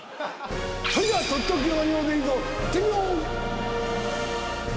それではとっておきのアニマル映像いってみよう。